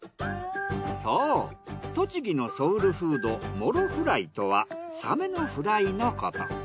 そう栃木のソウルフードモロフライとはサメのフライのこと。